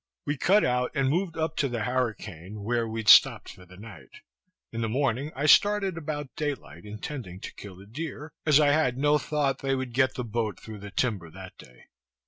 We cut out, and moved up to the harricane, where we stop'd for the night. In the morning I started about daylight, intending to kill a deer, as I had no thought they would get the boat through the timber that day.